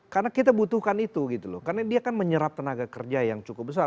karena kita butuhkan itu gitu loh karena dia kan menyerap tenaga kerja yang cukup besar